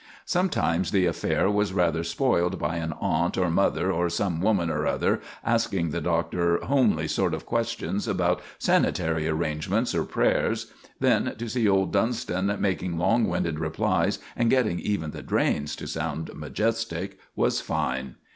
Sometimes the affair was rather spoiled by an aunt or mother or some woman or other asking the Doctor homely sort of questions about sanitary arrangements or prayers; then to see old Dunston making long winded replies and getting even the drains to sound majestic was fine.